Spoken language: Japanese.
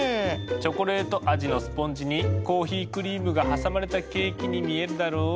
チョコレート味のスポンジにコーヒークリームが挟まれたケーキに見えるだろう？